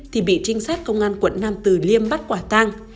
thì bị trinh sát công an quận nam từ liêm bắt quả tang